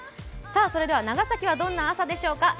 それでは長崎はどんな朝でしょうか。